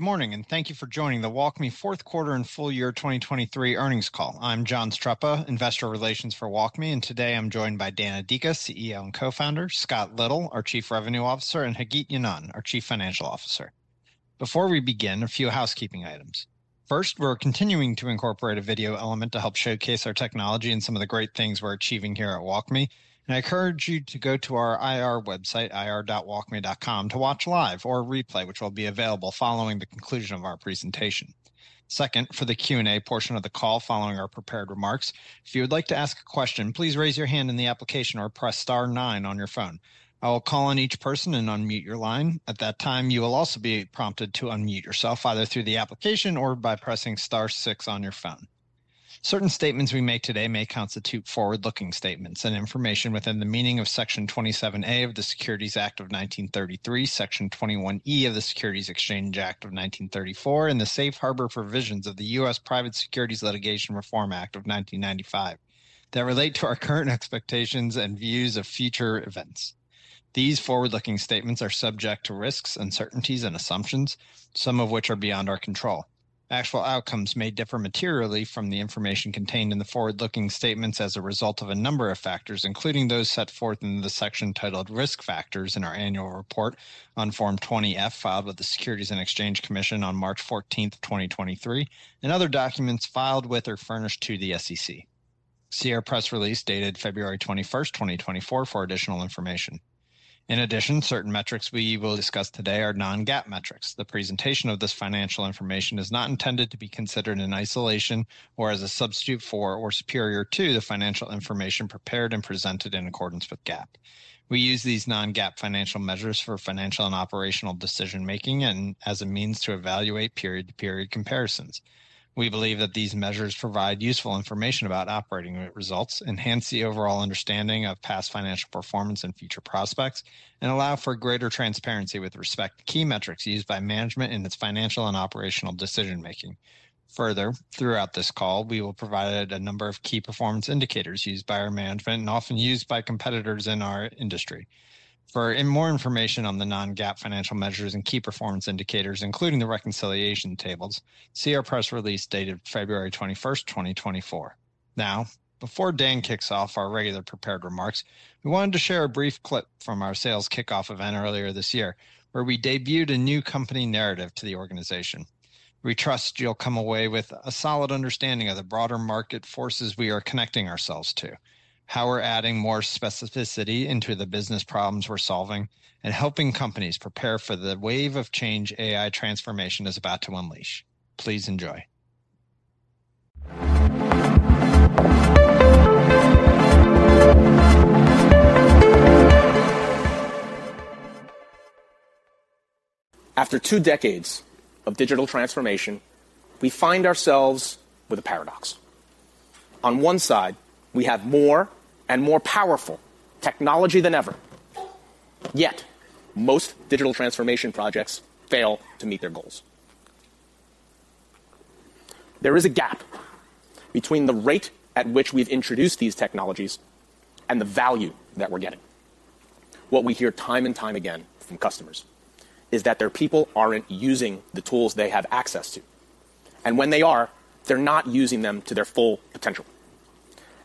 Good morning, and thank you for joining the WalkMe fourth quarter and full year 2023 earnings call. I'm John Streppa, Investor Relations for WalkMe, and today I'm joined by Dan Adika, CEO and co-founder, Scott Little, our Chief Revenue Officer, and Hagit Ynon, our Chief Financial Officer. Before we begin, a few housekeeping items. First, we're continuing to incorporate a video element to help showcase our technology and some of the great things we're achieving here at WalkMe, and I encourage you to go to our IR website, ir.walkme.com, to watch live or replay, which will be available following the conclusion of our presentation. Second, for the Q and A portion of the call following our prepared remarks, if you would like to ask a question, please raise your hand in the application or press star nine on your phone. I will call on each person and unmute your line. At that time, you will also be prompted to unmute yourself either through the application or by pressing star six on your phone. Certain statements we make today may constitute forward-looking statements and information within the meaning of Section 27A of the Securities Act of 1933, Section 21E of the Securities Exchange Act of 1934, and the Safe Harbor Provisions of the U.S. Private Securities Litigation Reform Act of 1995 that relate to our current expectations and views of future events. These forward-looking statements are subject to risks, uncertainties, and assumptions, some of which are beyond our control. Actual outcomes may differ materially from the information contained in the forward-looking statements as a result of a number of factors, including those set forth in the section titled Risk Factors in our annual report on Form 20-F filed with the Securities and Exchange Commission on March 14, 2023, and other documents filed with or furnished to the SEC. See our press release dated February 21, 2024, for additional information. In addition, certain metrics we will discuss today are non-GAAP metrics. The presentation of this financial information is not intended to be considered in isolation or as a substitute for or superior to the financial information prepared and presented in accordance with GAAP. We use these non-GAAP financial measures for financial and operational decision-making and as a means to evaluate period-to-period comparisons. We believe that these measures provide useful information about operating results, enhance the overall understanding of past financial performance and future prospects, and allow for greater transparency with respect to key metrics used by management in its financial and operational decision-making. Further, throughout this call, we will provide a number of key performance indicators used by our management and often used by competitors in our industry. For more information on the non-GAAP financial measures and key performance indicators, including the reconciliation tables, see our press release dated February 21, 2024. Now, before Dan kicks off our regular prepared remarks, we wanted to share a brief clip from our sales kickoff event earlier this year where we debuted a new company narrative to the organization. We trust you'll come away with a solid understanding of the broader market forces we are connecting ourselves to, how we're adding more specificity into the business problems we're solving, and helping companies prepare for the wave of change AI transformation is about to unleash. Please enjoy. After two decades of digital transformation, we find ourselves with a paradox. On one side, we have more and more powerful technology than ever, yet most digital transformation projects fail to meet their goals. There is a gap between the rate at which we've introduced these technologies and the value that we're getting. What we hear time and time again from customers is that their people aren't using the tools they have access to, and when they are, they're not using them to their full potential.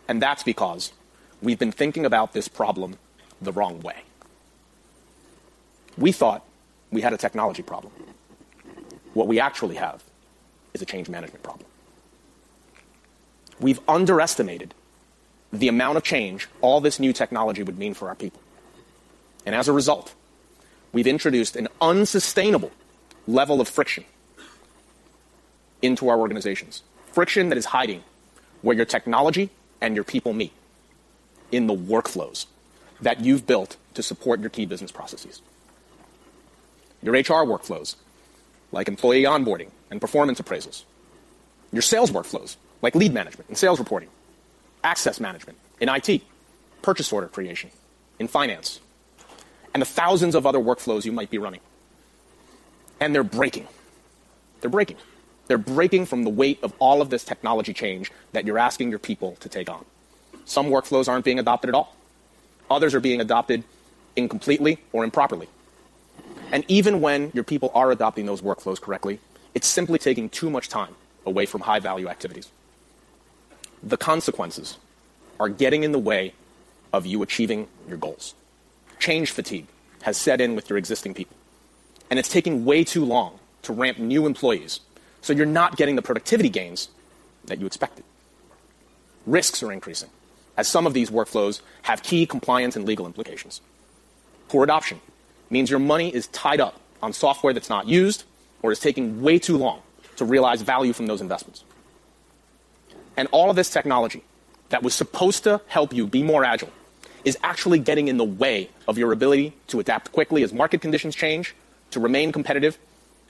And that's because we've been thinking about this problem the wrong way. We thought we had a technology problem. What we actually have is a change management problem. We've underestimated the amount of change all this new technology would mean for our people. As a result, we've introduced an unsustainable level of friction into our organizations, friction that is hiding where your technology and your people meet in the workflows that you've built to support your key business processes. Your HR workflows, like employee onboarding and performance appraisals, your sales workflows, like lead management and sales reporting, access management in IT, purchase order creation in finance, and the thousands of other workflows you might be running. They're breaking. They're breaking. They're breaking from the weight of all of this technology change that you're asking your people to take on. Some workflows aren't being adopted at all. Others are being adopted incompletely or improperly. Even when your people are adopting those workflows correctly, it's simply taking too much time away from high-value activities. The consequences are getting in the way of you achieving your goals. Change fatigue has set in with your existing people, and it's taking way too long to ramp new employees, so you're not getting the productivity gains that you expected. Risks are increasing, as some of these workflows have key compliance and legal implications. Poor adoption means your money is tied up on software that's not used or is taking way too long to realize value from those investments. All of this technology that was supposed to help you be more agile is actually getting in the way of your ability to adapt quickly as market conditions change, to remain competitive,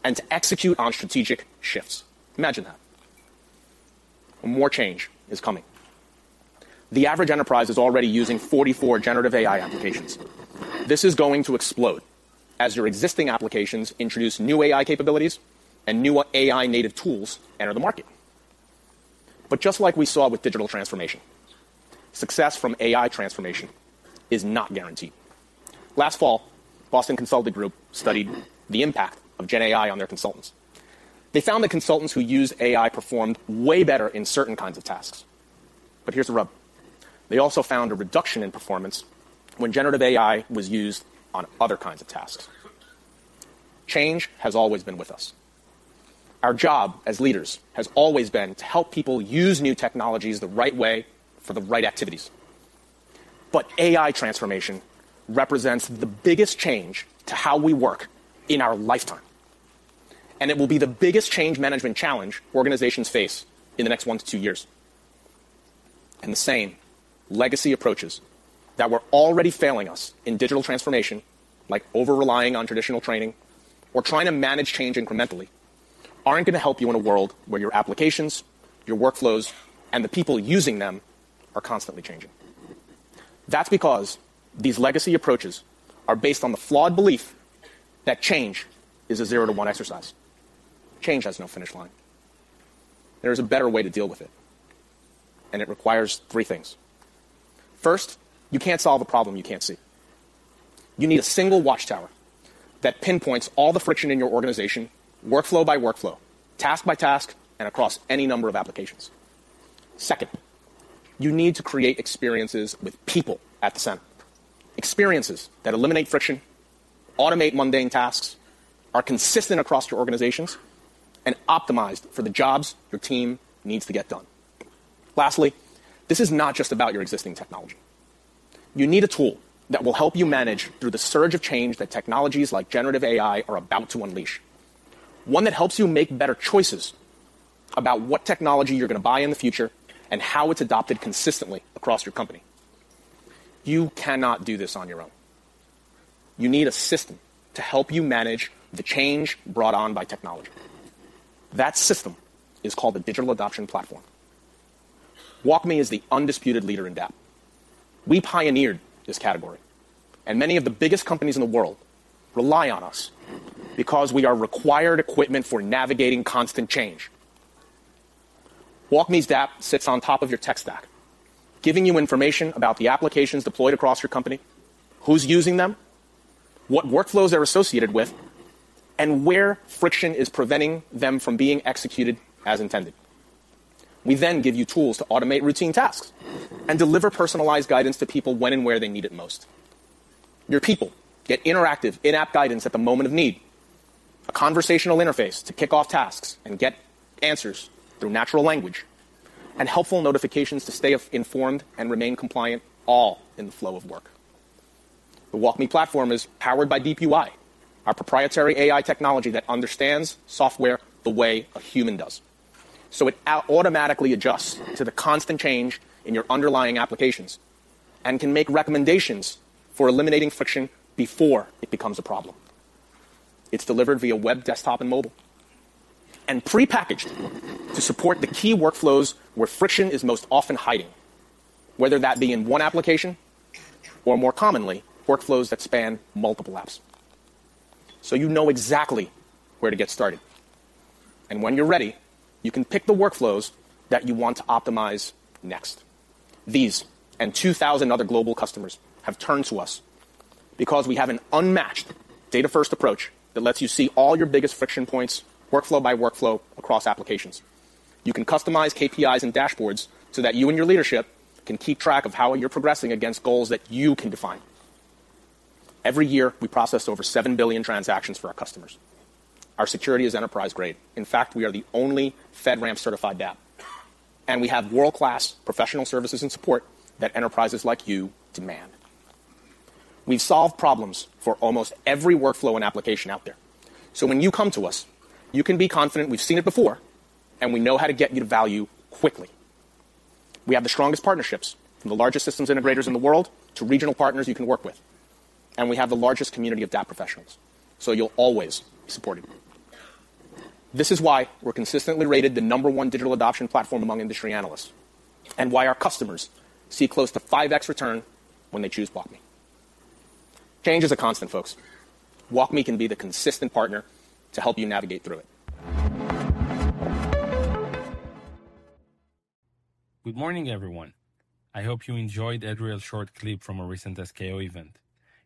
and to execute on strategic shifts. Imagine that. More change is coming. The average enterprise is already using 44 generative AI applications. This is going to explode as your existing applications introduce new AI capabilities and new AI-native tools enter the market. But just like we saw with digital transformation, success from AI transformation is not guaranteed. Last fall, Boston Consulting Group studied the impact of GenAI on their consultants. They found that consultants who used AI performed way better in certain kinds of tasks. But here's the rub. They also found a reduction in performance when generative AI was used on other kinds of tasks. Change has always been with us. Our job as leaders has always been to help people use new technologies the right way for the right activities. But AI transformation represents the biggest change to how we work in our lifetime, and it will be the biggest change management challenge organizations face in the next one to two years. The same legacy approaches that were already failing us in digital transformation, like over-relying on traditional training or trying to manage change incrementally, aren't going to help you in a world where your applications, your workflows, and the people using them are constantly changing. That's because these legacy approaches are based on the flawed belief that change is a zero-to-one exercise. Change has no finish line. There is a better way to deal with it, and it requires three things. First, you can't solve a problem you can't see. You need a single watchtower that pinpoints all the friction in your organization, workflow by workflow, task by task, and across any number of applications. Second, you need to create experiences with people at the center, experiences that eliminate friction, automate mundane tasks, are consistent across your organizations, and optimized for the jobs your team needs to get done. Lastly, this is not just about your existing technology. You need a tool that will help you manage through the surge of change that technologies like Generative AI are about to unleash, one that helps you make better choices about what technology you're going to buy in the future and how it's adopted consistently across your company. You cannot do this on your own. You need a system to help you manage the change brought on by technology. That system is called the Digital Adoption Platform. WalkMe is the undisputed leader in DAP. We pioneered this category, and many of the biggest companies in the world rely on us because we are required equipment for navigating constant change. WalkMe's DAP sits on top of your tech stack, giving you information about the applications deployed across your company, who's using them, what workflows they're associated with, and where friction is preventing them from being executed as intended. We then give you tools to automate routine tasks and deliver personalized guidance to people when and where they need it most. Your people get interactive, in-app guidance at the moment of need, a conversational interface to kick off tasks and get answers through natural language, and helpful notifications to stay informed and remain compliant all in the flow of work. The WalkMe platform is powered by DeepUI, our proprietary AI technology that understands software the way a human does, so it automatically adjusts to the constant change in your underlying applications and can make recommendations for eliminating friction before it becomes a problem. It's delivered via web, desktop, and mobile, and pre-packaged to support the key workflows where friction is most often hiding, whether that be in one application or, more commonly, workflows that span multiple apps. So you know exactly where to get started, and when you're ready, you can pick the workflows that you want to optimize next. These and 2,000 other global customers have turned to us because we have an unmatched data-first approach that lets you see all your biggest friction points workflow by workflow across applications. You can customize KPIs and dashboards so that you and your leadership can keep track of how you're progressing against goals that you can define. Every year, we process over seven billion transactions for our customers. Our security is enterprise-grade. In fact, we are the only FedRAMP-certified DAP, and we have world-class professional services and support that enterprises like you demand. We've solved problems for almost every workflow and application out there, so when you come to us, you can be confident we've seen it before and we know how to get you to value quickly. We have the strongest partnerships, from the largest systems integrators in the world to regional partners you can work with, and we have the largest community of DAP professionals, so you'll always be supported. This is why we're consistently rated the number one digital adoption platform among industry analysts and why our customers see close to 5x return when they choose WalkMe. Change is a constant, folks. WalkMe can be the consistent partner to help you navigate through it. Good morning, everyone. I hope you enjoyed Adriel's short clip from a recent SKO event.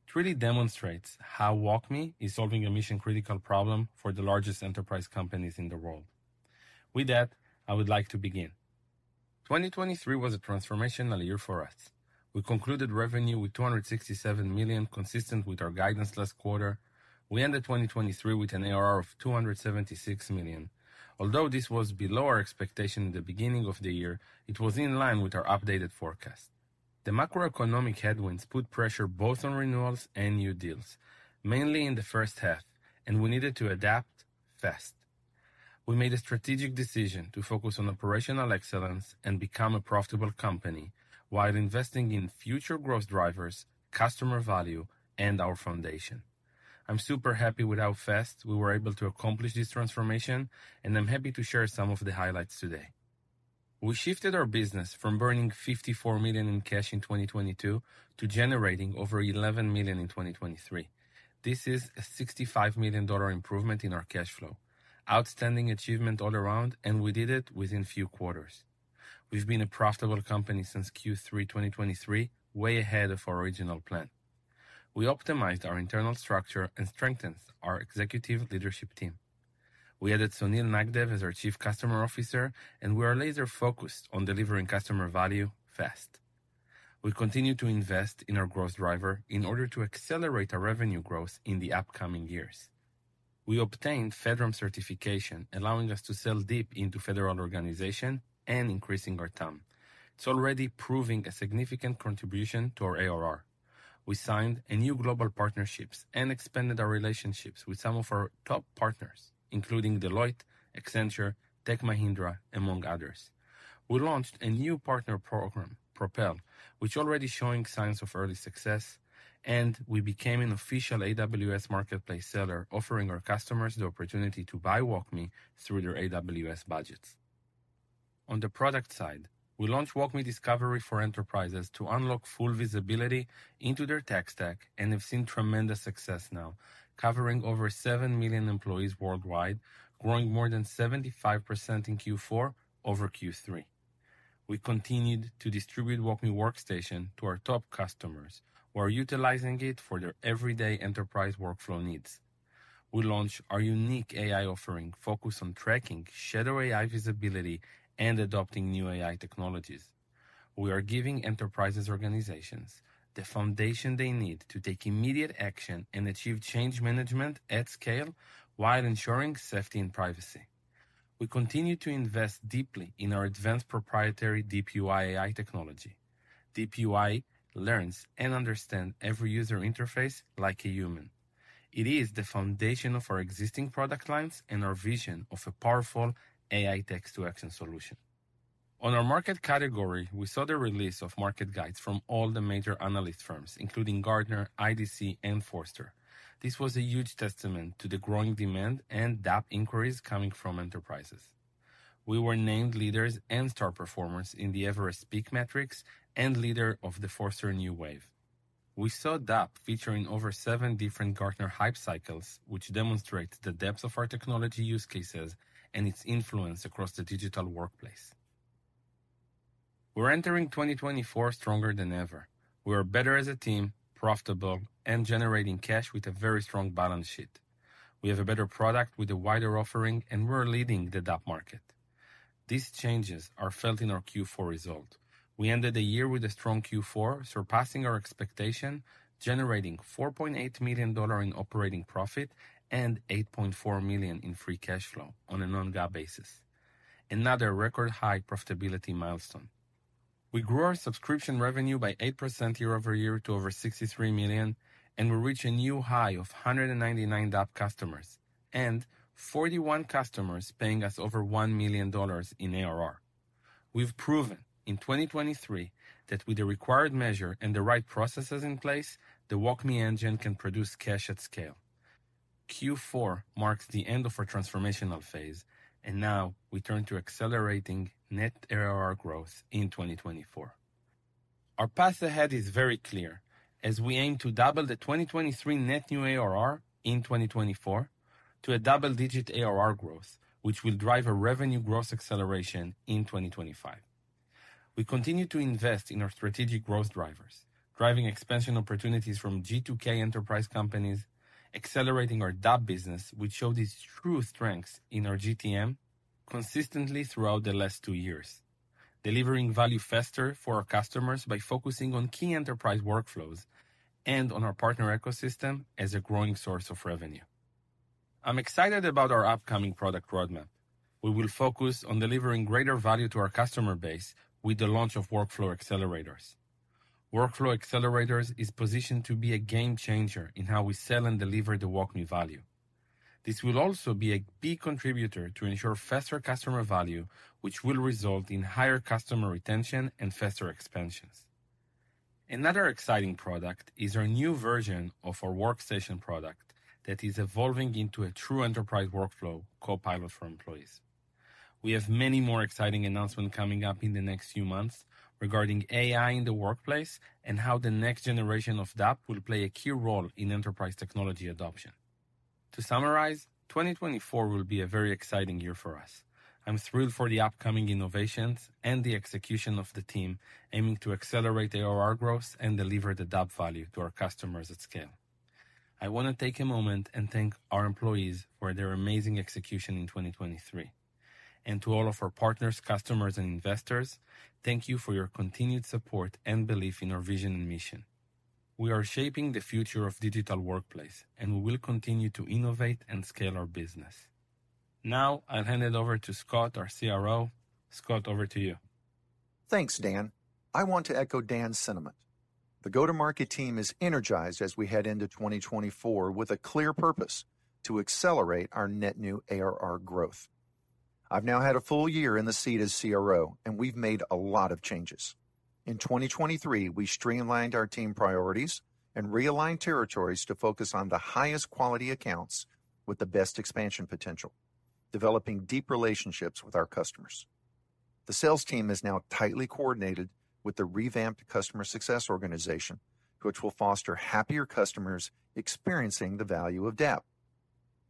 It really demonstrates how WalkMe is solving a mission-critical problem for the largest enterprise companies in the world. With that, I would like to begin. 2023 was a transformational year for us. We concluded revenue with $267 million, consistent with our guidance last quarter. We ended 2023 with an ARR of $276 million. Although this was below our expectation in the beginning of the year, it was in line with our updated forecast. The macroeconomic headwinds put pressure both on renewals and new deals, mainly in the first half, and we needed to adapt fast. We made a strategic decision to focus on operational excellence and become a profitable company while investing in future growth drivers, customer value, and our foundation. I'm super happy with how fast we were able to accomplish this transformation, and I'm happy to share some of the highlights today. We shifted our business from burning $54 million in cash in 2022 to generating over $11 million in 2023. This is a $65 million improvement in our cash flow, outstanding achievement all around, and we did it within few quarters. We've been a profitable company since Q3 2023, way ahead of our original plan. We optimized our internal structure and strengthened our executive leadership team. We added Sunil Nagdev as our Chief Customer Officer, and we are laser-focused on delivering customer value fast. We continue to invest in our growth driver in order to accelerate our revenue growth in the upcoming years. We obtained FedRAMP certification, allowing us to sell deep into federal organization and increasing our TAM. It's already proving a significant contribution to our ARR. We signed new global partnerships and expanded our relationships with some of our top partners, including Deloitte, Accenture, Tech Mahindra, among others. We launched a new partner program, Propel, which is already showing signs of early success, and we became an official AWS Marketplace seller, offering our customers the opportunity to buy WalkMe through their AWS budgets. On the product side, we launched WalkMe Discovery for enterprises to unlock full visibility into their tech stack and have seen tremendous success now, covering over seven million employees worldwide, growing more than 75% in Q4 over Q3. We continued to distribute WalkMe Workstation to our top customers, who are utilizing it for their everyday enterprise workflow needs. We launched our unique AI offering focused on tracking, shadow AI visibility, and adopting new AI technologies. We are giving enterprise organizations the foundation they need to take immediate action and achieve change management at scale while ensuring safety and privacy. We continue to invest deeply in our advanced proprietary DeepUI AI technology. DeepUI learns and understands every user interface like a human. It is the foundation of our existing product lines and our vision of a powerful AI text-to-action solution. On our market category, we saw the release of market guides from all the major analyst firms, including Gartner, IDC, and Forrester. This was a huge testament to the growing demand and DAP inquiries coming from enterprises. We were named leaders and star performers in the Everest PEAK Matrix and leader of the Forrester New Wave. We saw DAP featuring over seven different Gartner Hype Cycles, which demonstrates the depth of our technology use cases and its influence across the digital workplace. We're entering 2024 stronger than ever. We are better as a team, profitable, and generating cash with a very strong balance sheet. We have a better product with a wider offering, and we're leading the DAP market. These changes are felt in our Q4 result. We ended the year with a strong Q4, surpassing our expectation, generating $4.8 million in operating profit and $8.4 million in free cash flow on a non-GAAP basis, another record-high profitability milestone. We grew our subscription revenue by 8% year-over-year to over $63 million, and we reached a new high of 199 DAP customers and 41 customers paying us over $1 million in ARR. We've proven, in 2023, that with the required measure and the right processes in place, the WalkMe engine can produce cash at scale. Q4 marks the end of our transformational phase, and now we turn to accelerating net ARR growth in 2024. Our path ahead is very clear, as we aim to double the 2023 net new ARR in 2024 to a double-digit ARR growth, which will drive a revenue growth acceleration in 2025. We continue to invest in our strategic growth drivers, driving expansion opportunities from G2K enterprise companies, accelerating our DAP business, which showed its true strengths in our GTM, consistently throughout the last two years, delivering value faster for our customers by focusing on key enterprise workflows and on our partner ecosystem as a growing source of revenue. I'm excited about our upcoming product roadmap. We will focus on delivering greater value to our customer base with the launch of Workflow Accelerators. Workflow Accelerators are positioned to be a game-changer in how we sell and deliver the WalkMe value. This will also be a key contributor to ensuring faster customer value, which will result in higher customer retention and faster expansions. Another exciting product is our new version of our Workstation product that is evolving into a true enterprise workflow, Copilot for Employees. We have many more exciting announcements coming up in the next few months regarding AI in the workplace and how the next generation of DAP will play a key role in enterprise technology adoption. To summarize, 2024 will be a very exciting year for us. I'm thrilled for the upcoming innovations and the execution of the team aiming to accelerate ARR growth and deliver the DAP value to our customers at scale. I want to take a moment and thank our employees for their amazing execution in 2023. To all of our partners, customers, and investors, thank you for your continued support and belief in our vision and mission. We are shaping the future of the digital workplace, and we will continue to innovate and scale our business. Now, I'll hand it over to Scott, our CRO. Scott, over to you. Thanks, Dan. I want to echo Dan's sentiment. The go-to-market team is energized as we head into 2024 with a clear purpose: to accelerate our net new ARR growth. I've now had a full year in the seat as CRO, and we've made a lot of changes. In 2023, we streamlined our team priorities and realigned territories to focus on the highest-quality accounts with the best expansion potential, developing deep relationships with our customers. The sales team is now tightly coordinated with the revamped Customer Success Organization, which will foster happier customers experiencing the value of DAP.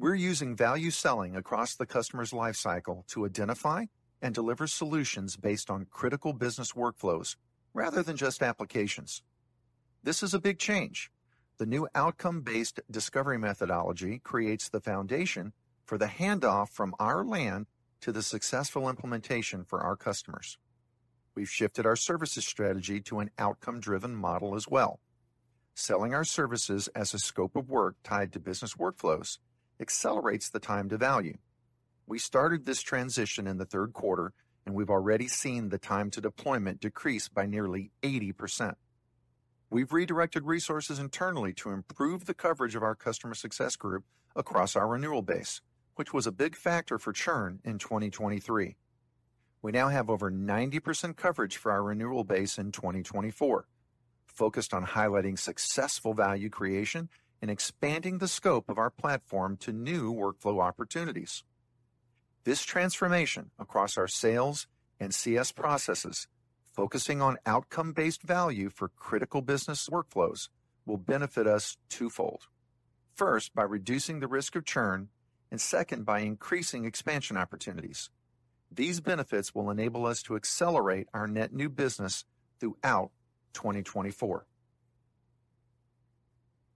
We're using value selling across the customer's lifecycle to identify and deliver solutions based on critical business workflows rather than just applications. This is a big change. The new outcome-based discovery methodology creates the foundation for the handoff from our land to the successful implementation for our customers. We've shifted our services strategy to an outcome-driven model as well. Selling our services as a scope of work tied to business workflows accelerates the time to value. We started this transition in the third quarter, and we've already seen the time to deployment decrease by nearly 80%. We've redirected resources internally to improve the coverage of our Customer Success Group across our renewal base, which was a big factor for churn in 2023. We now have over 90% coverage for our renewal base in 2024, focused on highlighting successful value creation and expanding the scope of our platform to new workflow opportunities. This transformation across our sales and CS processes, focusing on outcome-based value for critical business workflows, will benefit us twofold: first, by reducing the risk of churn, and second, by increasing expansion opportunities. These benefits will enable us to accelerate our net new business throughout 2024.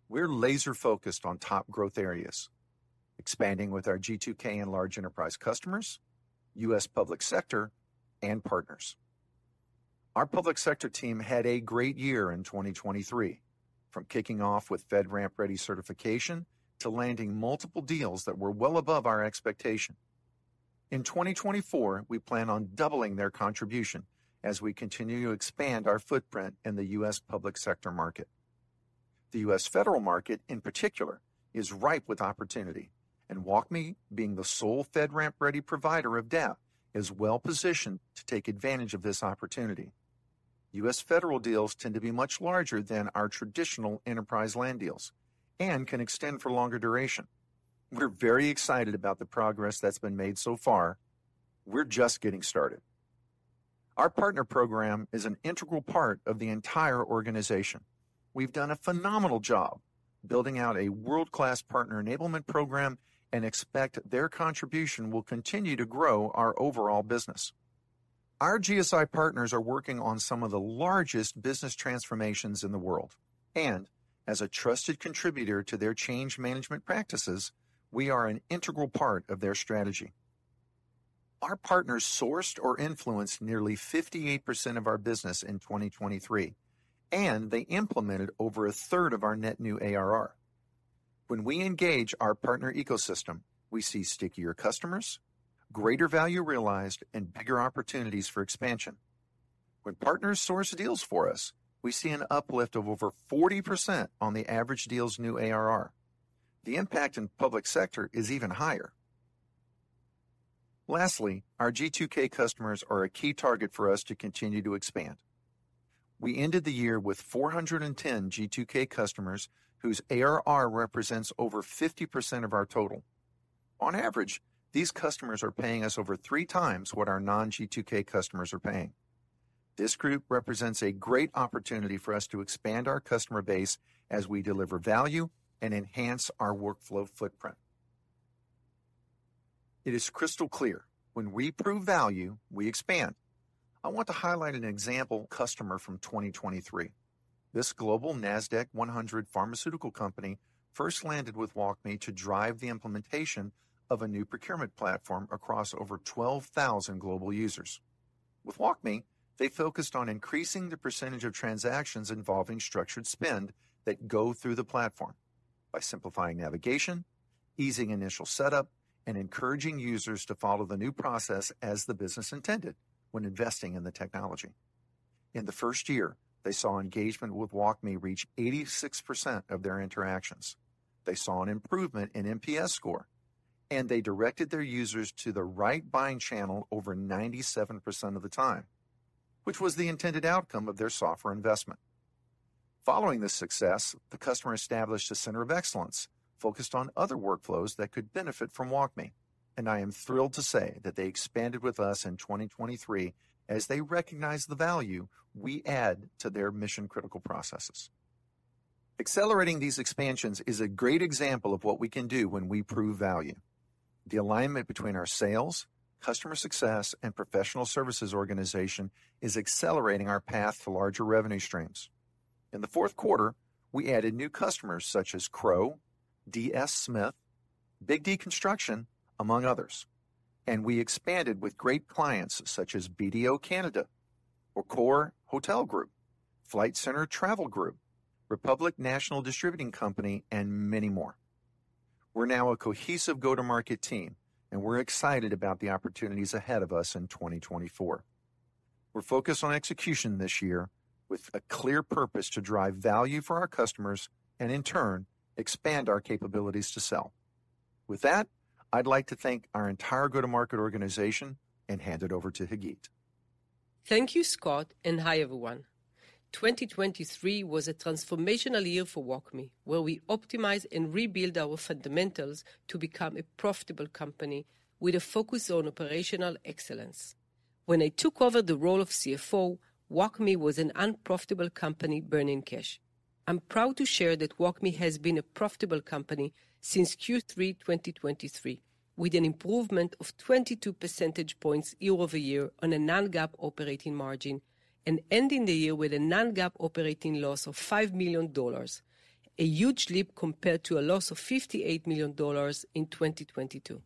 We're laser-focused on top growth areas, expanding with our G2K and large enterprise customers, U.S. public sector, and partners. Our public sector team had a great year in 2023, from kicking off with FedRAMP-ready certification to landing multiple deals that were well above our expectation. In 2024, we plan on doubling their contribution as we continue to expand our footprint in the U.S. public sector market. The U.S. federal market, in particular, is ripe with opportunity, and WalkMe, being the sole FedRAMP-ready provider of DAP, is well positioned to take advantage of this opportunity. U.S. federal deals tend to be much larger than our traditional enterprise land deals and can extend for longer duration. We're very excited about the progress that's been made so far. We're just getting started. Our partner program is an integral part of the entire organization. We've done a phenomenal job building out a world-class partner enablement program and expect their contribution will continue to grow our overall business. Our GSI partners are working on some of the largest business transformations in the world, and as a trusted contributor to their change management practices, we are an integral part of their strategy. Our partners sourced or influenced nearly 58% of our business in 2023, and they implemented over a 1/3 of our net new ARR. When we engage our partner ecosystem, we see stickier customers, greater value realized, and bigger opportunities for expansion. When partners source deals for us, we see an uplift of over 40% on the average deal's new ARR. The impact in public sector is even higher. Lastly, our G2K customers are a key target for us to continue to expand. We ended the year with 410 G2K customers whose ARR represents over 50% of our total. On average, these customers are paying us over three times what our non-G2K customers are paying. This group represents a great opportunity for us to expand our customer base as we deliver value and enhance our workflow footprint. It is crystal clear: when we prove value, we expand. I want to highlight an example customer from 2023. This global Nasdaq 100 pharmaceutical company first landed with WalkMe to drive the implementation of a new procurement platform across over 12,000 global users. With WalkMe, they focused on increasing the percentage of transactions involving structured spend that go through the platform by simplifying navigation, easing initial setup, and encouraging users to follow the new process as the business intended when investing in the technology. In the first year, they saw engagement with WalkMe reach 86% of their interactions. They saw an improvement in NPS score, and they directed their users to the right buying channel over 97% of the time, which was the intended outcome of their software investment. Following this success, the customer established a center of excellence focused on other workflows that could benefit from WalkMe, and I am thrilled to say that they expanded with us in 2023 as they recognized the value we add to their mission-critical processes. Accelerating these expansions is a great example of what we can do when we prove value. The alignment between our sales, customer success, and professional services organization is accelerating our path to larger revenue streams. In the fourth quarter, we added new customers such as Crowe, DS Smith, Big-D Construction, among others, and we expanded with great clients such as BDO Canada, Accor Hotel Group, Flight Centre Travel Group, Republic National Distributing Company, and many more. We're now a cohesive go-to-market team, and we're excited about the opportunities ahead of us in 2024. We're focused on execution this year with a clear purpose to drive value for our customers and, in turn, expand our capabilities to sell. With that, I'd like to thank our entire go-to-market organization and hand it over to Hagit. Thank you, Scott, and hi everyone. 2023 was a transformational year for WalkMe, where we optimized and rebuilt our fundamentals to become a profitable company with a focus on operational excellence. When I took over the role of CFO, WalkMe was an unprofitable company burning cash. I'm proud to share that WalkMe has been a profitable company since Q3 2023, with an improvement of 22 percentage points year-over-year on a non-GAAP operating margin and ending the year with a non-GAAP operating loss of $5 million, a huge leap compared to a loss of $58 million in 2022.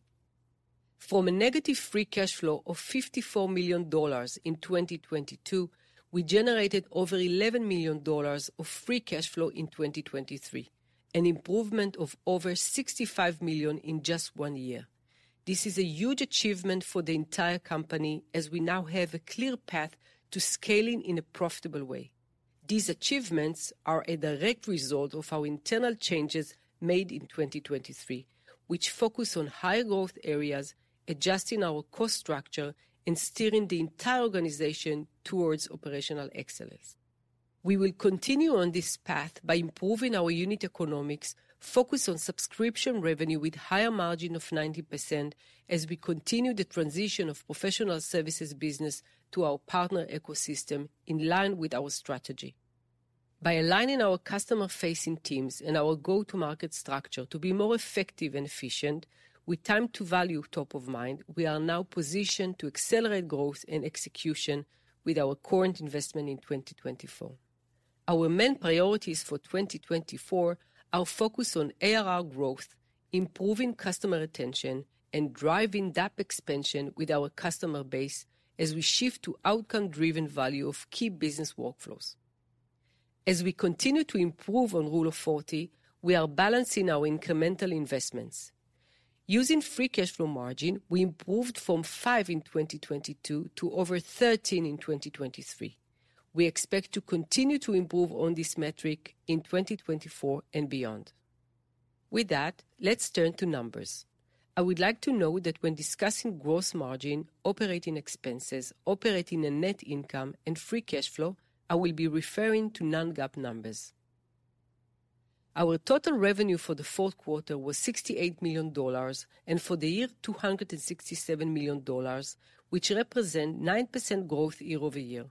From a negative free cash flow of $54 million in 2022, we generated over $11 million of free cash flow in 2023, an improvement of over $65 million in just one year. This is a huge achievement for the entire company as we now have a clear path to scaling in a profitable way. These achievements are a direct result of our internal changes made in 2023, which focus on higher growth areas, adjusting our cost structure, and steering the entire organization towards operational excellence. We will continue on this path by improving our unit economics, focusing on subscription revenue with a higher margin of 90% as we continue the transition of professional services business to our partner ecosystem in line with our strategy. By aligning our customer-facing teams and our go-to-market structure to be more effective and efficient, with time-to-value top of mind, we are now positioned to accelerate growth and execution with our current investment in 2024. Our main priorities for 2024 are focusing on ARR growth, improving customer retention, and driving DAP expansion with our customer base as we shift to outcome-driven value of key business workflows. As we continue to improve on Rule of 40, we are balancing our incremental investments. Using free cash flow margin, we improved from five in 2022 to over 13 in 2023. We expect to continue to improve on this metric in 2024 and beyond. With that, let's turn to numbers. I would like to note that when discussing gross margin, operating expenses, operating and net income, and free cash flow, I will be referring to non-GAAP numbers. Our total revenue for the fourth quarter was $68 million and for the year, $267 million, which represents 9% growth year-over-year.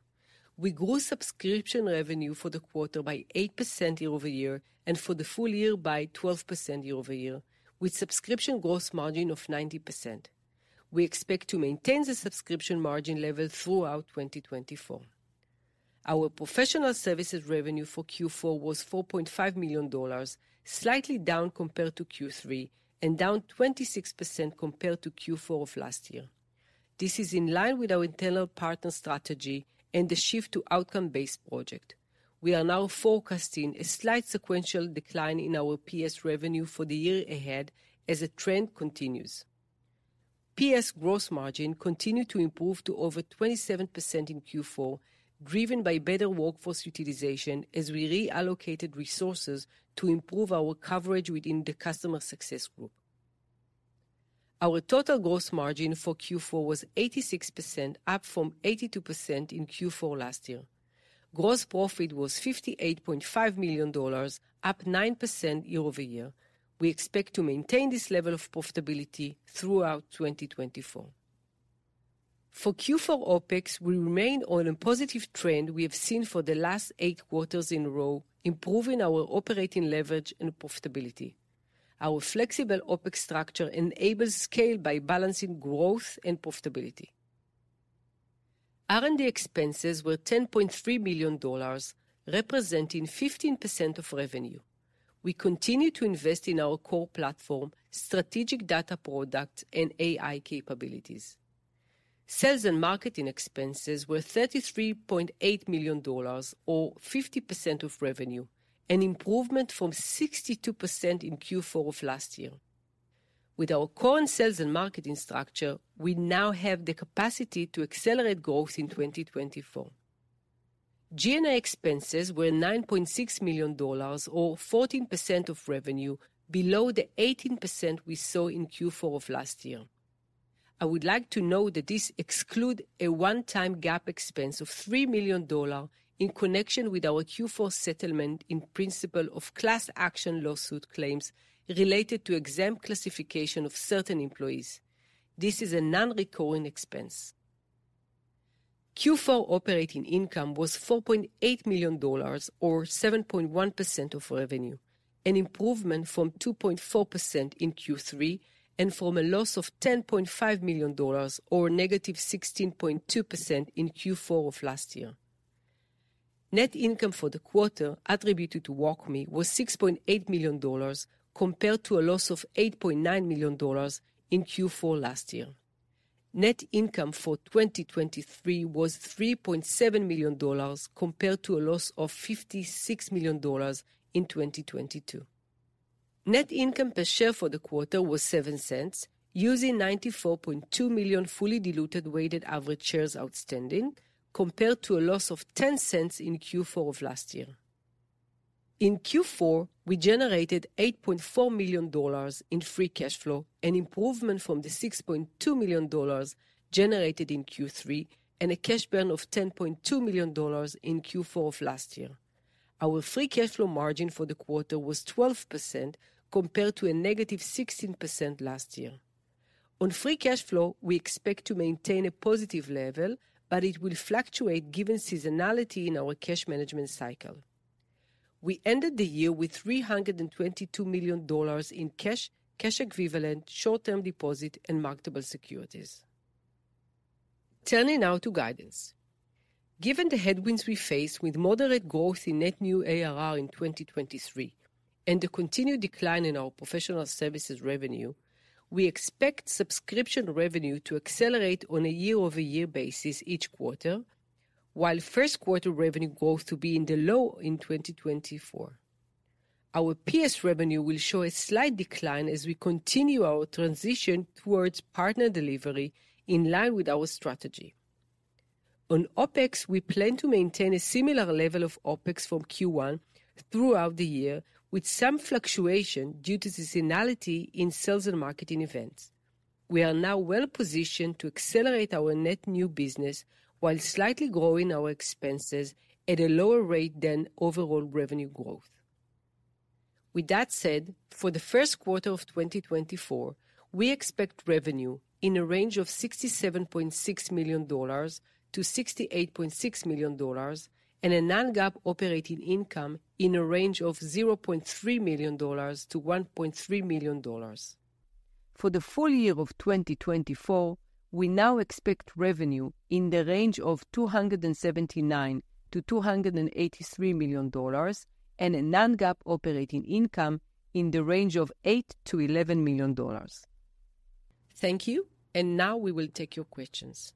We grew subscription revenue for the quarter by 8% year-over-year and for the full year by 12% year-over-year, with subscription gross margin of 90%. We expect to maintain the subscription margin level throughout 2024. Our professional services revenue for Q4 was $4.5 million, slightly down compared to Q3 and down 26% compared to Q4 of last year. This is in line with our internal partner strategy and the shift to outcome-based project. We are now forecasting a slight sequential decline in our PS revenue for the year ahead as the trend continues. PS gross margin continued to improve to over 27% in Q4, driven by better workforce utilization as we reallocated resources to improve our coverage within the Customer Success Group. Our total gross margin for Q4 was 86%, up from 82% in Q4 last year. Gross profit was $58.5 million, up 9% year-over-year. We expect to maintain this level of profitability throughout 2024. For Q4 OpEx, we remain on a positive trend we have seen for the last eight quarters in a row, improving our operating leverage and profitability. Our flexible OpEx structure enables scale by balancing growth and profitability. R&D expenses were $10.3 million, representing 15% of revenue. We continue to invest in our core platform, strategic data products, and AI capabilities. Sales and marketing expenses were $33.8 million, or 50% of revenue, an improvement from 62% in Q4 of last year. With our current sales and marketing structure, we now have the capacity to accelerate growth in 2024. G&A expenses were $9.6 million, or 14% of revenue, below the 18% we saw in Q4 of last year. I would like to note that this excludes a one-time GAAP expense of $3 million in connection with our Q4 settlement in principle of class action lawsuit claims related to exempt classification of certain employees. This is a non-recurring expense. Q4 operating income was $4.8 million, or 7.1% of revenue, an improvement from 2.4% in Q3 and from a loss of $10.5 million, or -16.2% in Q4 of last year. Net income for the quarter attributed to WalkMe was $6.8 million, compared to a loss of $8.9 million in Q4 last year. Net income for 2023 was $3.7 million, compared to a loss of $56 million in 2022. Net income per share for the quarter was $0.07, using 94.2 million fully diluted weighted average shares outstanding, compared to a loss of $0.10 in Q4 of last year. In Q4, we generated $8.4 million in free cash flow, an improvement from the $6.2 million generated in Q3 and a cash burn of $10.2 million in Q4 of last year. Our free cash flow margin for the quarter was 12%, compared to -16% last year. On free cash flow, we expect to maintain a positive level, but it will fluctuate given seasonality in our cash management cycle. We ended the year with $322 million in cash, cash equivalent, short-term deposit, and marketable securities. Turning now to guidance. Given the headwinds we face with moderate growth in net new ARR in 2023 and the continued decline in our professional services revenue, we expect subscription revenue to accelerate on a year-over-year basis each quarter, while first-quarter revenue growth to be in the low in 2024. Our PS revenue will show a slight decline as we continue our transition towards partner delivery in line with our strategy. On OpEx, we plan to maintain a similar level of OpEx from Q1 throughout the year, with some fluctuation due to seasonality in sales and marketing events. We are now well positioned to accelerate our net new business while slightly growing our expenses at a lower rate than overall revenue growth. With that said, for the first quarter of 2024, we expect revenue in a range of $67.6 million-$68.6 million and a Non-GAAP operating income in a range of $0.3 million-$1.3 million. For the full year of 2024, we now expect revenue in the range of $279 million-$283 million and a Non-GAAP operating income in the range of $8 million-$11 million. Thank you, and now we will take your questions.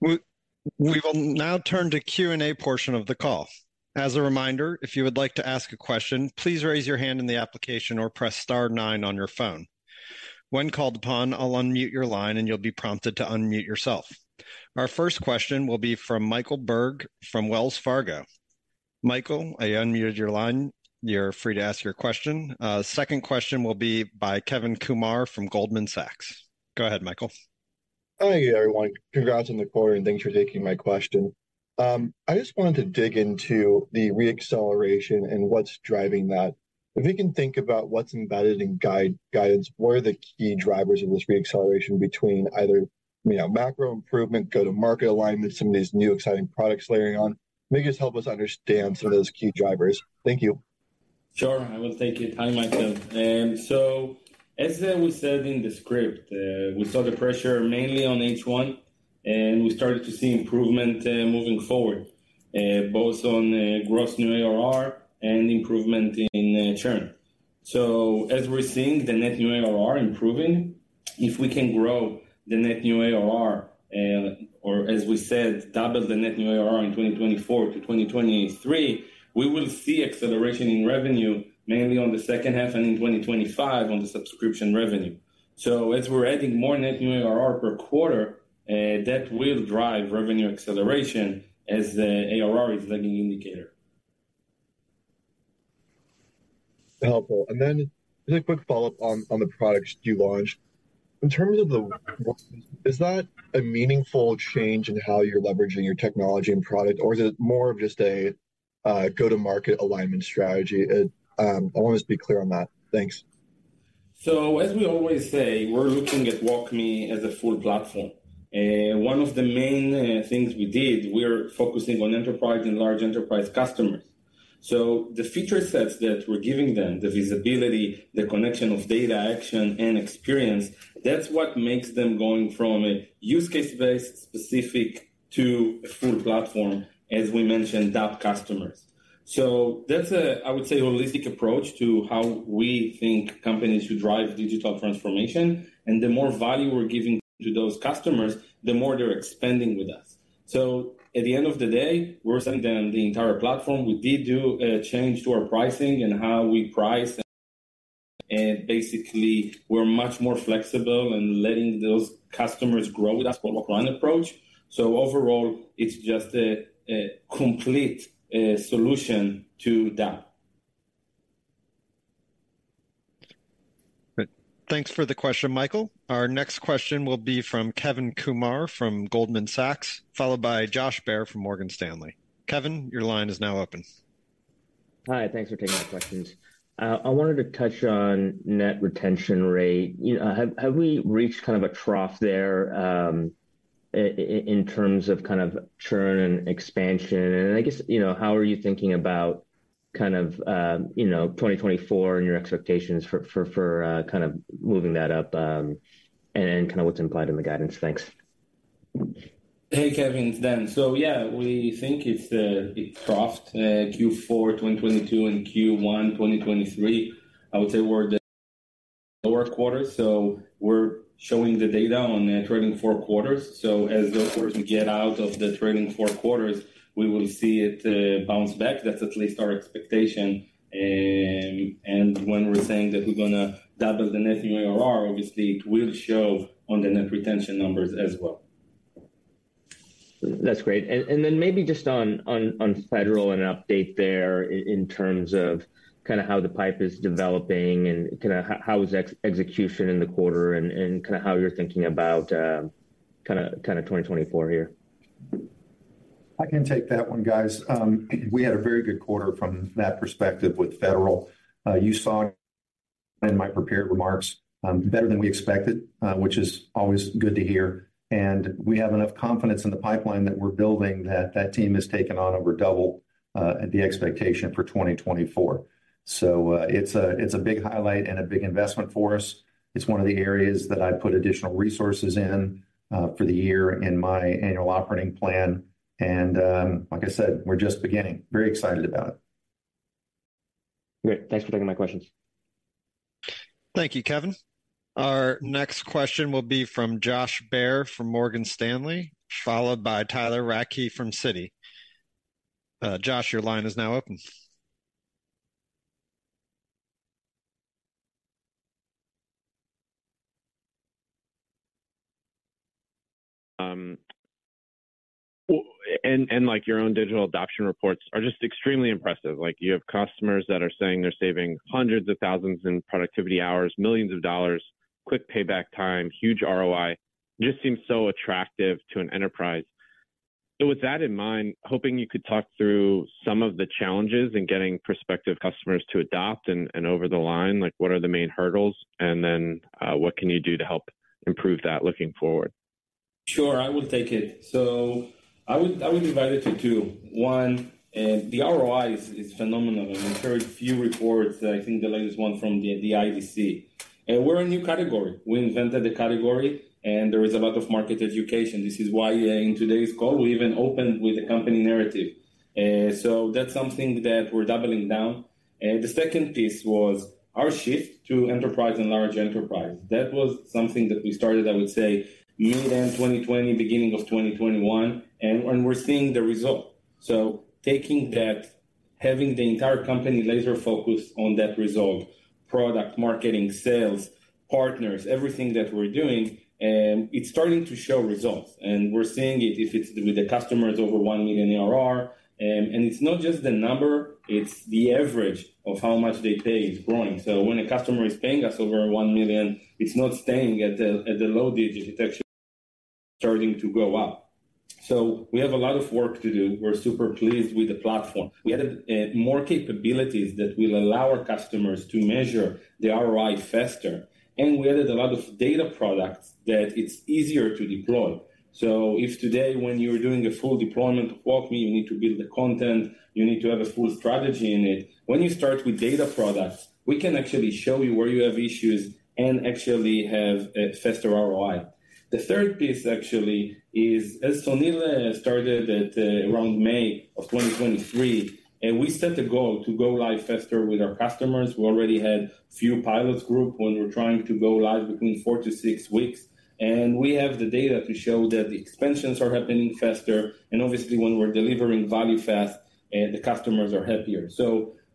We will now turn to Q and A portion of the call. As a reminder, if you would like to ask a question, please raise your hand in the application or press star nine on your phone. When called upon, I'll unmute your line and you'll be prompted to unmute yourself. Our first question will be from Michael Berg from Wells Fargo. Michael, I unmuted your line. You're free to ask your question. Second question will be by Kevin Kumar from Goldman Sachs. Go ahead, Michael. Hi everyone. Congrats on the call and thanks for taking my question. I just wanted to dig into the reacceleration and what's driving that. If we can think about what's embedded in guidance, what are the key drivers of this reacceleration between either macro improvement, go-to-market alignment, some of these new exciting products layering on? Maybe just help us understand some of those key drivers. Thank you. Sure. I will thank you for having me, Kevin. So as we said in the script, we saw the pressure mainly on H1, and we started to see improvement moving forward, both on gross new ARR and improvement in churn. So as we're seeing the net new ARR improving, if we can grow the net new ARR, or as we said, double the net new ARR in 2024 to 2023, we will see acceleration in revenue mainly on the second half and in 2025 on the subscription revenue. So as we're adding more net new ARR per quarter, that will drive revenue acceleration as the ARR is lagging indicator. Helpful. Then just a quick follow-up on the products you launched. In terms of the work, is that a meaningful change in how you're leveraging your technology and product, or is it more of just a go-to-market alignment strategy? I want to just be clear on that. Thanks. So as we always say, we're looking at WalkMe as a full platform. One of the main things we did, we're focusing on enterprise and large enterprise customers. So the feature sets that we're giving them, the visibility, the connection of data action and experience, that's what makes them going from a use case-based specific to a full platform, as we mentioned, DAP customers. So that's a, I would say, holistic approach to how we think companies should drive digital transformation. And the more value we're giving to those customers, the more they're expanding with us. So at the end of the day, we're sending them the entire platform. We did do a change to our pricing and how we price. And basically, we're much more flexible and letting those customers grow with us for a long-run approach. So overall, it's just a complete solution to DAP. Thanks for the question, Michael. Our next question will be from Kevin Kumar from Goldman Sachs, followed by Josh Baer from Morgan Stanley. Kevin, your line is now open. Hi. Thanks for taking my questions. I wanted to touch on net retention rate. Have we reached kind of a trough there in terms of kind of churn and expansion? I guess, how are you thinking about kind of 2024 and your expectations for kind of moving that up and then kind of what's implied in the guidance? Thanks. Hey, Kevin. So yeah, we think it's a trough. Q4 2022 and Q1 2023, I would say, were the lower quarters. So we're showing the data on trailing four quarters. So as those quarters get out of the trailing four quarters, we will see it bounce back. That's at least our expectation. And when we're saying that we're going to double the net new ARR, obviously, it will show on the net retention numbers as well. That's great. And then maybe just on federal and an update there in terms of kind of how the pipe is developing and kind of how is execution in the quarter and kind of how you're thinking about kind of 2024 here? I can take that one, guys. We had a very good quarter from that perspective with federal. You saw it in my prepared remarks, better than we expected, which is always good to hear. We have enough confidence in the pipeline that we're building that that team has taken on over double the expectation for 2024. It's a big highlight and a big investment for us. It's one of the areas that I put additional resources in for the year in my annual operating plan. Like I said, we're just beginning. Very excited about it. Great. Thanks for taking my questions. Thank you, Kevin. Our next question will be from Josh Baer from Morgan Stanley, followed by Tyler Radke from Citi. Josh, your line is now open. Your own digital adoption reports are just extremely impressive. You have customers that are saying they're saving hundreds of thousands in productivity hours, millions of dollars, quick payback time, huge ROI. It just seems so attractive to an enterprise. With that in mind, hoping you could talk through some of the challenges in getting prospective customers to adopt and over the line. What are the main hurdles? Then what can you do to help improve that looking forward? Sure. I will take it. So I would divide it into two. One, the ROI is phenomenal. I've heard few reports. I think the latest one from the IDC. We're a new category. We invented the category, and there is a lot of market education. This is why in today's call, we even opened with the company narrative. So that's something that we're doubling down. The second piece was our shift to enterprise and large enterprise. That was something that we started, I would say, mid-end 2020, beginning of 2021, and we're seeing the result. So having the entire company laser-focused on that result, product, marketing, sales, partners, everything that we're doing, it's starting to show results. And we're seeing it if it's with the customers over $1 million ARR. And it's not just the number. It's the average of how much they pay is growing. So when a customer is paying us over $1 million, it's not staying at the low digit. It's actually starting to go up. So we have a lot of work to do. We're super pleased with the platform. We added more capabilities that will allow our customers to measure the ROI faster. And we added a lot of data products that it's easier to deploy. So if today, when you're doing a full deployment of WalkMe, you need to build the content, you need to have a full strategy in it, when you start with data products, we can actually show you where you have issues and actually have a faster ROI. The third piece, actually, is as Sunil started around May of 2023, we set a goal to go live faster with our customers. We already had a few pilots groups when we're trying to go live between 4-6 weeks. We have the data to show that the expansions are happening faster. Obviously, when we're delivering value fast, the customers are happier.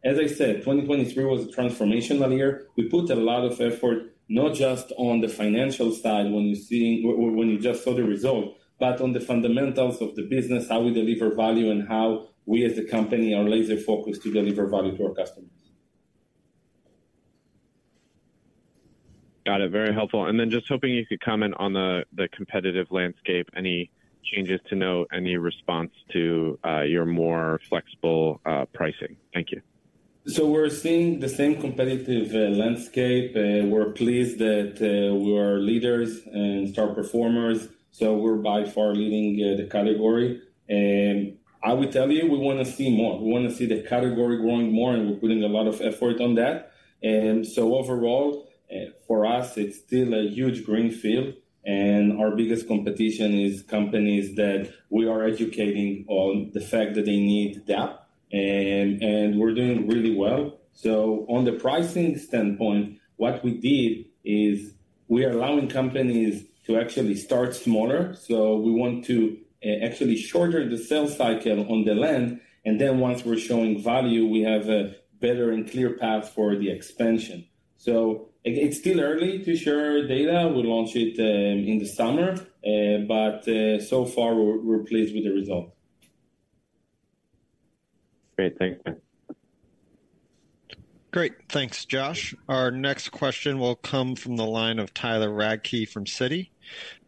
As I said, 2023 was a transformational year. We put a lot of effort not just on the financial side when you just saw the result, but on the fundamentals of the business, how we deliver value and how we, as a company, are laser-focused to deliver value to our customers. Got it. Very helpful. And then just hoping you could comment on the competitive landscape, any changes to note, any response to your more flexible pricing? Thank you. So we're seeing the same competitive landscape. We're pleased that we are leaders and star performers. So we're by far leading the category. And I would tell you, we want to see more. We want to see the category growing more, and we're putting a lot of effort on that. And so overall, for us, it's still a huge green field. And our biggest competition is companies that we are educating on the fact that they need DAP. And we're doing really well. So on the pricing standpoint, what we did is we are allowing companies to actually start smaller. So we want to actually shorten the sales cycle on the land. And then once we're showing value, we have a better and clear path for the expansion. So it's still early to share data. We'll launch it in the summer. But so far, we're pleased with the result. Great. Thank you. Great. Thanks, Josh. Our next question will come from the line of Tyler Radke from Citi,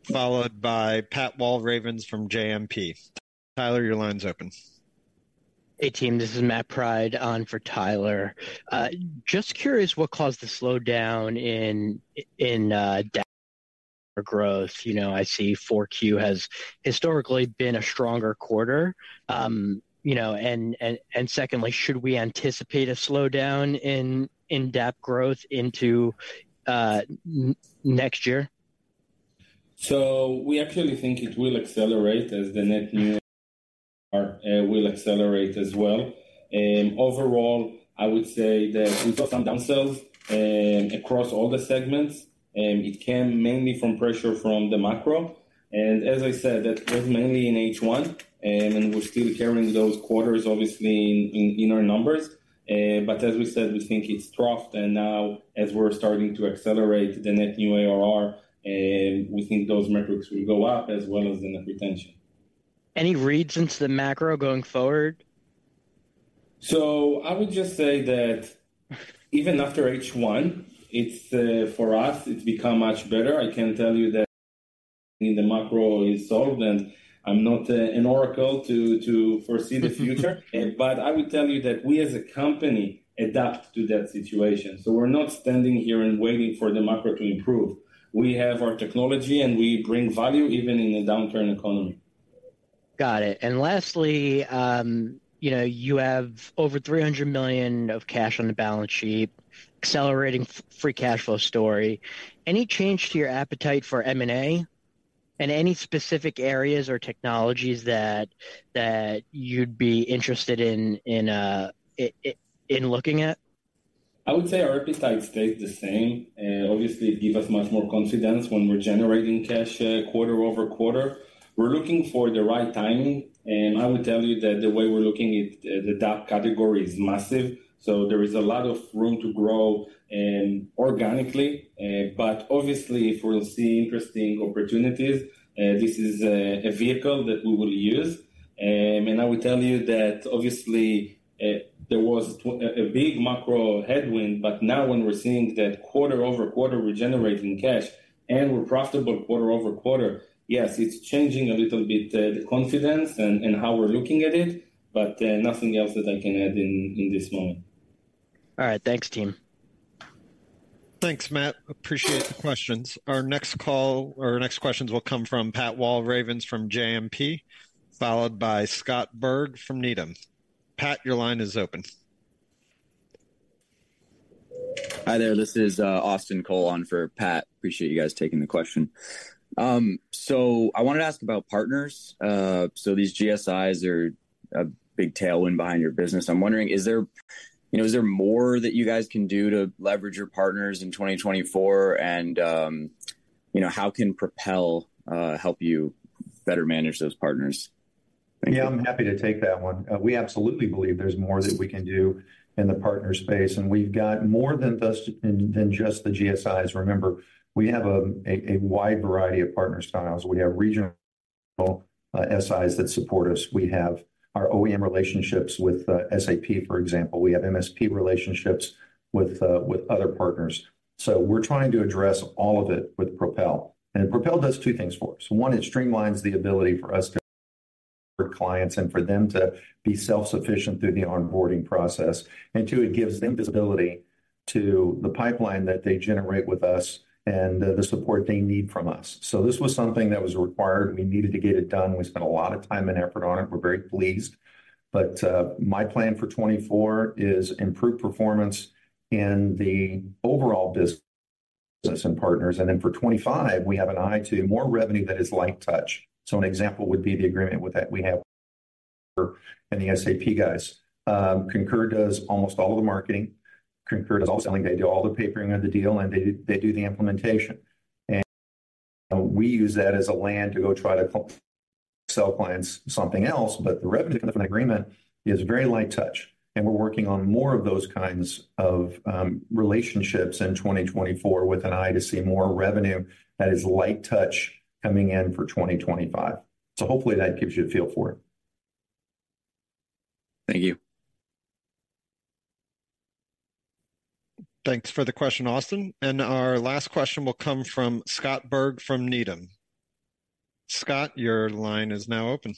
followed by Pat Walravens from JMP. Tyler, your line's open. Hey, team. This is Matt Pryde on for Tyler. Just curious what caused the slowdown in DAP growth. I see 4Q has historically been a stronger quarter. Secondly, should we anticipate a slowdown in DAP growth into next year? So we actually think it will accelerate as the net new ARR will accelerate as well. Overall, I would say that we saw some downsells across all the segments. It came mainly from pressure from the macro. And as I said, that was mainly in H1. And we're still carrying those quarters, obviously, in our numbers. But as we said, we think it's troughed. And now, as we're starting to accelerate the net new ARR, we think those metrics will go up as well as the net retention. Any reads into the macro going forward? So I would just say that even after H1, for us, it's become much better. I can tell you that the macro is solved. And I'm not an oracle to foresee the future. But I would tell you that we, as a company, adapt to that situation. So we're not standing here and waiting for the macro to improve. We have our technology, and we bring value even in a downturn economy. Got it. Lastly, you have over $300 million of cash on the balance sheet, accelerating free cash flow story. Any change to your appetite for M&A and any specific areas or technologies that you'd be interested in looking at? I would say our appetite stays the same. Obviously, it gives us much more confidence when we're generating cash quarter-over-quarter. We're looking for the right timing. I would tell you that the way we're looking at the DAP category is massive. So there is a lot of room to grow organically. But obviously, if we'll see interesting opportunities, this is a vehicle that we will use. I would tell you that obviously, there was a big macro headwind. But now when we're seeing that quarter-over-quarter, we're generating cash, and we're profitable quarter-over-quarter, yes, it's changing a little bit the confidence and how we're looking at it. But nothing else that I can add in this moment. All right. Thanks, team. Thanks, Matt. Appreciate the questions. Our next call or next questions will come from Pat Walravens from JMP, followed by Scott Berg from Needham. Pat, your line is open. Hi there. This is Austin Cole on for Pat. Appreciate you guys taking the question. So I wanted to ask about partners. So these GSIs are a big tailwind behind your business. I'm wondering, is there more that you guys can do to leverage your partners in 2024? And how can Propel help you better manage those partners? Yeah, I'm happy to take that one. We absolutely believe there's more that we can do in the partner space. And we've got more than just the GSIs. Remember, we have a wide variety of partner styles. We have regional SIs that support us. We have our OEM relationships with SAP, for example. We have MSP relationships with other partners. So we're trying to address all of it with Propel. And Propel does two things for us. One, it streamlines the ability for us to support clients and for them to be self-sufficient through the onboarding process. And two, it gives them visibility to the pipeline that they generate with us and the support they need from us. So this was something that was required. We needed to get it done. We spent a lot of time and effort on it. We're very pleased. But my plan for 2024 is improve performance in the overall business and partners. Then for 2025, we have an eye to more revenue that is light touch. So an example would be the agreement that we have with Concur and the SAP guys. Concur does almost all of the marketing. Concur does all selling. They do all the papering of the deal, and they do the implementation. And we use that as a land to go try to sell clients something else. But the revenue coming from the agreement is very light touch. And we're working on more of those kinds of relationships in 2024 with an eye to see more revenue that is light touch coming in for 2025. So hopefully, that gives you a feel for it. Thank you. Thanks for the question, Austin. Our last question will come from Scott Berg from Needham. Scott, your line is now open.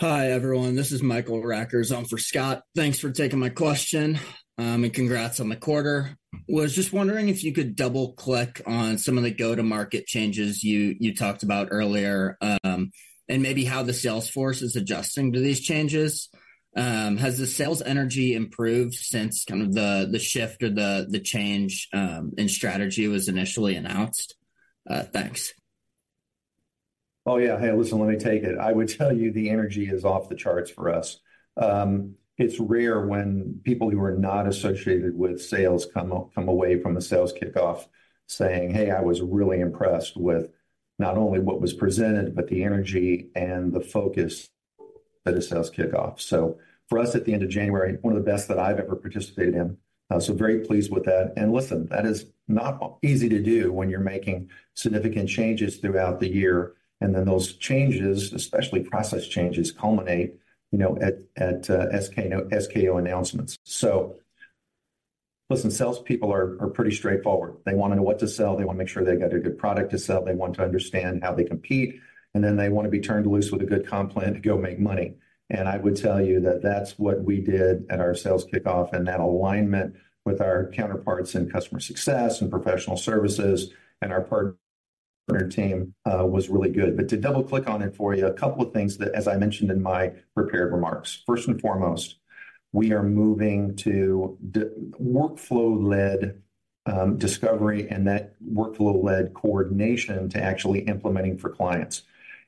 Hi, everyone. This is Michael Rackers on for Scott. Thanks for taking my question and congrats on the quarter. Was just wondering if you could double-click on some of the go-to-market changes you talked about earlier and maybe how the sales force is adjusting to these changes. Has the sales energy improved since kind of the shift or the change in strategy was initially announced? Thanks. Oh, yeah. Hey, listen, let me take it. I would tell you the energy is off the charts for us. It's rare when people who are not associated with sales come away from a sales kickoff saying, "Hey, I was really impressed with not only what was presented, but the energy and the focus at a sales kickoff." So for us, at the end of January, one of the best that I've ever participated in. So very pleased with that. And listen, that is not easy to do when you're making significant changes throughout the year. And then those changes, especially process changes, culminate at SKO announcements. So listen, salespeople are pretty straightforward. They want to know what to sell. They want to make sure they got a good product to sell. They want to understand how they compete. Then they want to be turned loose with a good complement to go make money. And I would tell you that that's what we did at our sales kickoff. And that alignment with our counterparts in customer success and professional services and our partner team was really good. But to double-click on it for you, a couple of things that, as I mentioned in my prepared remarks. First and foremost, we are moving to workflow-led discovery and that workflow-led coordination to actually implementing for clients.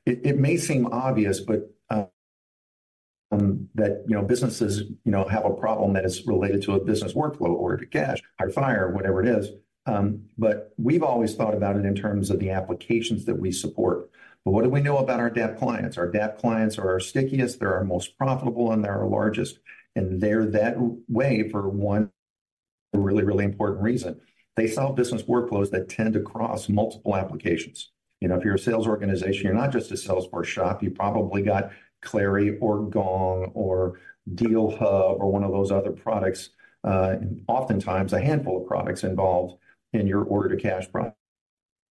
It may seem obvious, but that businesses have a problem that is related to a business workflow or to cash flow, hire/fire, whatever it is. But we've always thought about it in terms of the applications that we support. But what do we know about our DAP clients? Our DAP clients are our stickiest. They're our most profitable, and they're our largest. And they're that way for one really, really important reason. They solve business workflows that tend to cross multiple applications. If you're a sales organization, you're not just a Salesforce shop. You probably got Clari or Gong or DealHub or one of those other products. Oftentimes, a handful of products involved in your order-to-cash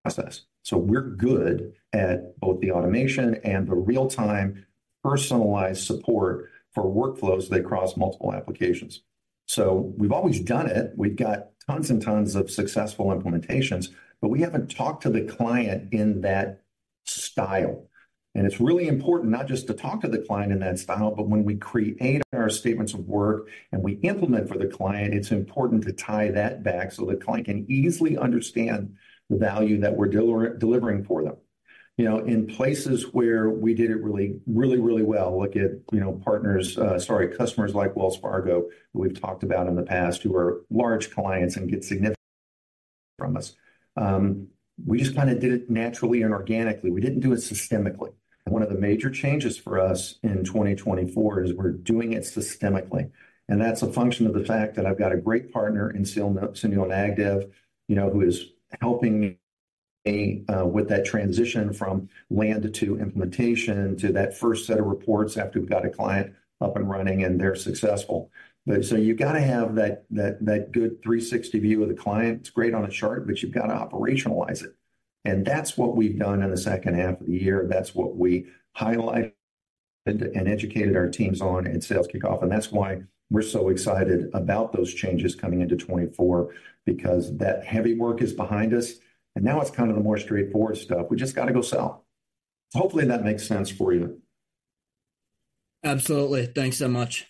process. So we're good at both the automation and the real-time personalized support for workflows that cross multiple applications. So we've always done it. We've got tons and tons of successful implementations, but we haven't talked to the client in that style. And it's really important not just to talk to the client in that style, but when we create our statements of work and we implement for the client, it's important to tie that back so the client can easily understand the value that we're delivering for them. In places where we did it really, really, really well, look at partners, sorry, customers like Wells Fargo that we've talked about in the past who are large clients and get significant from us. We just kind of did it naturally and organically. We didn't do it systemically. One of the major changes for us in 2024 is we're doing it systemically. And that's a function of the fact that I've got a great partner in Sunil Nagdev who is helping me with that transition from land to implementation to that first set of reports after we've got a client up and running and they're successful. So you've got to have that good 360 view of the client. It's great on a chart, but you've got to operationalize it. And that's what we've done in the second half of the year. That's what we highlighted and educated our teams on at sales kickoff. That's why we're so excited about those changes coming into 2024 because that heavy work is behind us. Now it's kind of the more straightforward stuff. We just got to go sell. Hopefully, that makes sense for you. Absolutely. Thanks so much.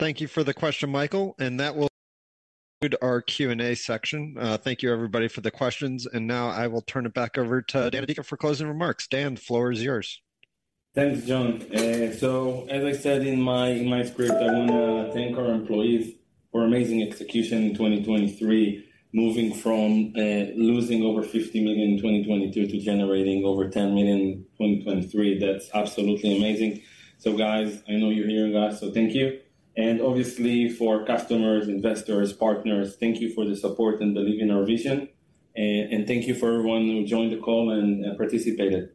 Thank you for the question, Michael. That will conclude our Q and A section. Thank you, everybody, for the questions. Now I will turn it back over to Dan Adika for closing remarks. Dan, the floor is yours. Thanks, John. So as I said in my script, I want to thank our employees for amazing execution in 2023, moving from losing over $50 million in 2022 to generating over $10 million in 2023. That's absolutely amazing. So guys, I know you're hearing us. So thank you. And obviously, for customers, investors, partners, thank you for the support and belief in our vision. And thank you for everyone who joined the call and participated.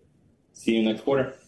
See you next quarter.